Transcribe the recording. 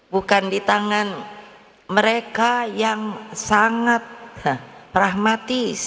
bukan di tangan mereka yang sangat pragmatis